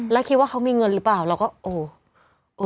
แล้วคิดว่าเขามีเงินหรือเปล่าเราก็โอ้